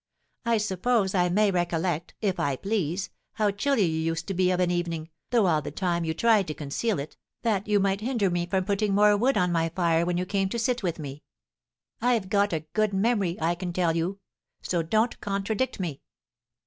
"I suppose I may recollect, if I please, how chilly you used to be of an evening, though all the time you tried to conceal it, that you might hinder me from putting more wood on my fire when you came to sit with me. I've got a good memory, I can tell you; so don't contradict me."